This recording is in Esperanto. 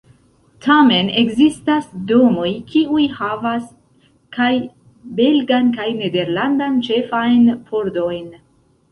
Tamen ekzistas domoj, kiuj havas kaj belgan kaj nederlandan ĉefajn pordojn.